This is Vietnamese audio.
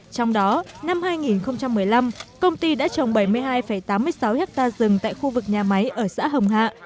trong đó năm hai nghìn một mươi năm công ty đã trồng bảy mươi hai tám mươi sáu hectare rừng tại khu vực nhà máy ở xã hồng hạ